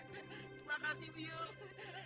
terima kasih bium